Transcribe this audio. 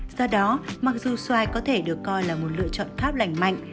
do đó mặc dù xoài có thể được coi là một lựa chọn khác lành mạnh